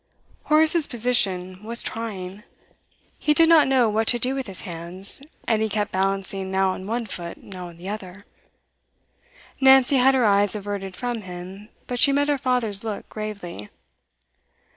Horace's position was trying. He did not know what to do with his hands, and he kept balancing now on one foot, now on the other. Nancy had her eyes averted from him, but she met her father's look gravely.